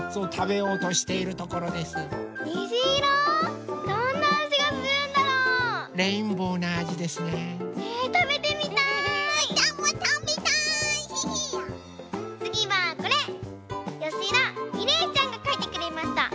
よしだみれいちゃんがかいてくれました。